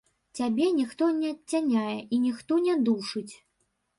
Цябе ніхто не адцяняе і ніхто не душыць.